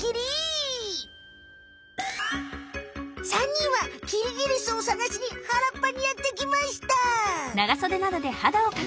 ３にんはキリギリスをさがしにはらっぱにやってきました。